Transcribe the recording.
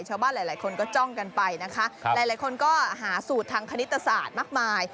ชาวบ้านหลายคนก็จ้องกันไปนะคะหลายคนก็หาสูตรทางคณิตศาสตร์มากมาย